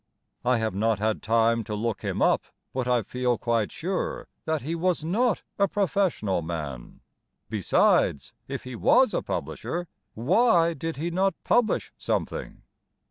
I have not had time to look him up, But I feel quite sure That he was not a professional man. Besides, If he was a publisher, Why did he not publish something?